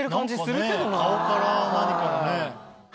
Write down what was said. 顔から何からね。